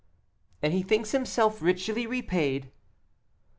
"And he thinks himself richly repaid."